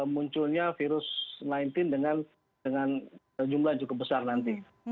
munculnya virus covid sembilan belas dengan jumlah yang cukup besar nanti